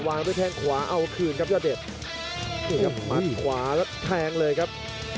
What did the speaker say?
วางด้วยแทงขวาเอาคืนครับยอดเด็ดโอ้โหมัดขวาแล้วแทงเลยครับ